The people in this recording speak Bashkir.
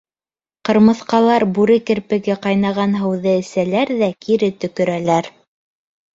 Ҡырмыҫҡалар бүре керпеге ҡайнаған һыуҙы әсәләр ҙә кире төкөрәләр.